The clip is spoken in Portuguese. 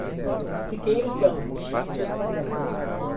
Siqueira Campos